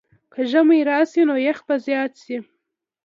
که ژمی راشي، نو یخ به زیات شي.